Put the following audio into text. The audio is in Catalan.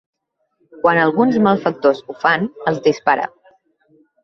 Quan alguns malfactors ho fan, els dispara.